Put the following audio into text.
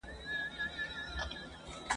هری خواته یې شنېلۍ وې ښکارېدلې ..